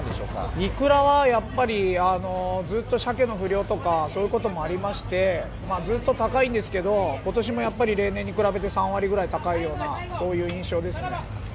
イクラは、やっぱりずっとシャケの不漁とかそういうこともありましてずっと高いんですけど今年も例年に比べて、３割くらい高いような印象ですね。